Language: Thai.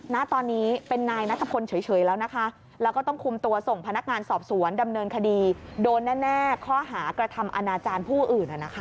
ณตอนนี้เป็นนายนัทพลเฉยแล้วนะคะแล้วก็ต้องคุมตัวส่งพนักงานสอบสวนดำเนินคดีโดนแน่ข้อหากระทำอนาจารย์ผู้อื่น